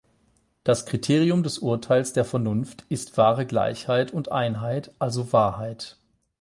Das Kriterium des Urteils der Vernunft ist wahre Gleichheit und Einheit, also Wahrheit.